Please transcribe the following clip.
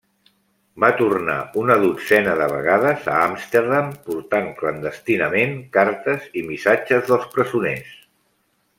Va tornar una dotzena de vegades a Amsterdam portant clandestinament cartes i missatges dels presoners.